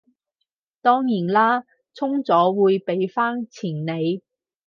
當然啦，充咗會畀返錢你